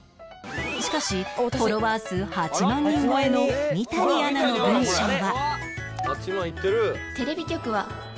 しかしフォロワー数８万人超えの三谷アナの文章は